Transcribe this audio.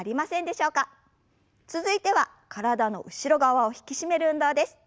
続いては体の後ろ側を引き締める運動です。